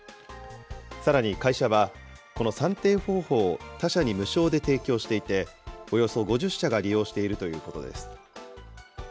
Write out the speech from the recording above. さらに会社は、この算定方法を他社に無償で提供していて、およそ５０社が利用しているということです。